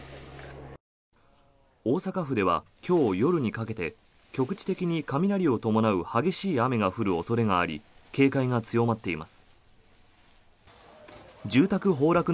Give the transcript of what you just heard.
大阪府では今日夜にかけて局地的に雷を伴う激しい雨が降る恐れがあり警戒が強まっています。